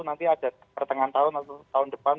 nanti ada pertengahan tahun atau tahun depan